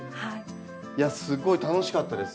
すごい楽しかったです。